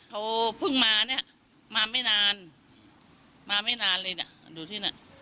เขาเพิ่งมาเนี่ยมาไม่นานมาไม่นานเลยน่ะมันอยู่ที่นั่น